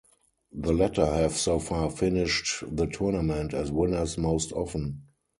The latter have so far finished the tournament as winners most often.